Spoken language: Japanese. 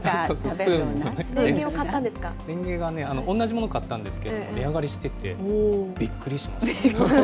れんげがね、同じものを買ったんですけど、値上がりしてて、びっくりしました。